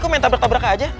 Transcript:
kok main tabrak tabrak aja